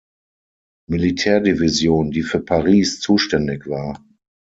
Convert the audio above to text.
Militärdivision, die für Paris zuständig war.